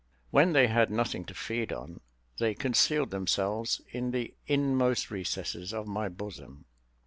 When they had nothing to feed on, they concealed themselves in the inmost recesses of my bosom.